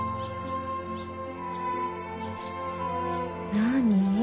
何？